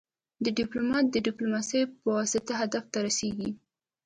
ډيپلومات د ډيپلوماسي پواسطه هدف ته رسیږي.